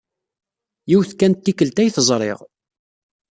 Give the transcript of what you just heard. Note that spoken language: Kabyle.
Yiwet kan n tikkelt ay t-ẓriɣ.